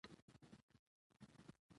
ډيپلومات د هیواد د مشر پیغام رسوي.